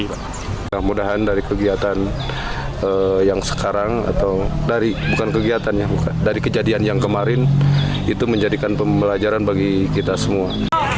mudah mudahan dari kegiatan yang sekarang atau dari kejadian yang kemarin itu menjadikan pembelajaran bagi kita semua